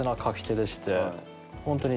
ホントに。